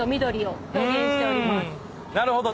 なるほど。